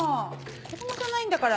子供じゃないんだから。